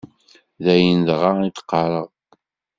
D ayen dɣa i d-qqareɣ.